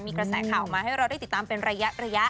มีกระแสข่าวออกมาให้เราได้ติดตามเป็นระยะ